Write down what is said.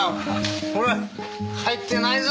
ほら入ってないぞ！